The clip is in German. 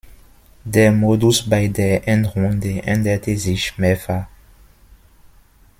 Der Modus bei der Endrunde änderte sich mehrfach.